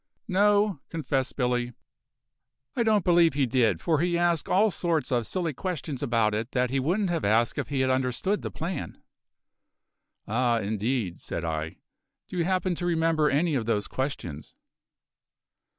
"No," confessed Billy, "I don't believe he did, for he asked all sorts of silly questions about it that he wouldn't have asked if he had understood the plan." "Ah, indeed!" said I. "Do you happen to remember any of those questions?"